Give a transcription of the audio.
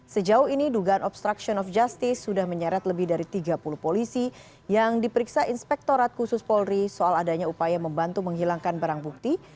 sejauh ini dugaan obstruction of justice sudah menyeret lebih dari tiga puluh polisi yang diperiksa inspektorat khusus polri soal adanya upaya membantu menghilangkan barang bukti